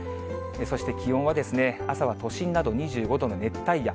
そして、気温は朝は都心など２５度の熱帯夜。